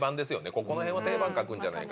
ここら辺は定番書くんじゃないか。